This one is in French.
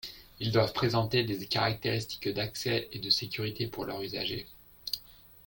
Ils doivent présenter des caractéristiques d’accès et de sécurité pour leurs usagers.